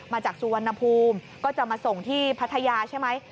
มาจากสุวรรณภูมิก็จะมาส่งที่พัทยาใช่ไหม